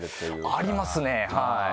ありますねはい。